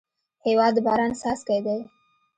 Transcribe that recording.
هېواد د باران څاڅکی دی.